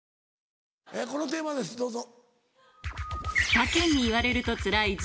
このテーマですどうぞ。